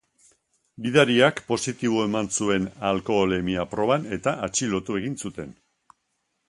Gidariak positibo eman zuen alkoholemia proban eta atxilotu egin zuten.